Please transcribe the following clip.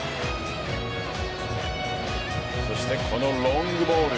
そして、このロングボール。